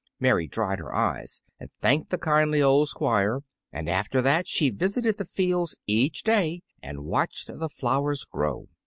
Mary dried her eyes and thanked the kindly old Squire, and after that she visited the fields each day and watched the flowers grow.